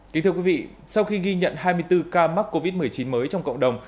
kính thưa quý vị sau khi ghi nhận hai mươi bốn ca mắc covid một mươi chín mới trong cộng đồng